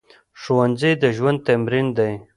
ښوونځی د ژوند تمرین دی